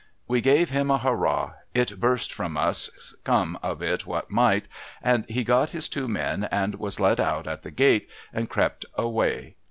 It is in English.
We gave him a Hurrah !— it burst from us, come of it what might ■— and he got his two men, and was let out at the gate, and crept away.